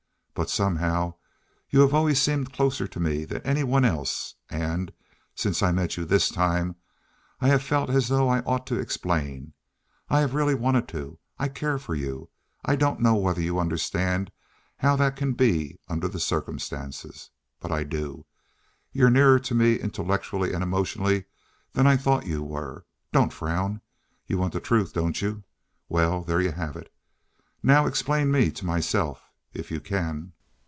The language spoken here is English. But somehow you have always seemed closer to me than any one else, and, since I met you this time, I have felt as though I ought to explain—I have really wanted to. I care for you. I don't know whether you understand how that can be under the circumstances. But I do. You're nearer to me intellectually and emotionally than I thought you were. Don't frown. You want the truth, don't you? Well, there you have it. Now explain me to myself, if you can."